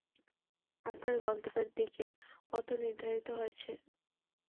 আপনার গন্তব্যের দিকে পথ নির্ধারিত হয়েছে।